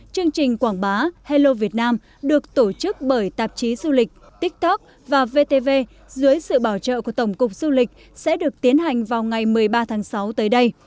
chương trình quảng bá hello việt nam được tổ chức bởi tạp chí du lịch tiktok và vtv dưới sự bảo trợ của tổng cục du lịch sẽ được tiến hành vào ngày một mươi ba tháng sáu tới đây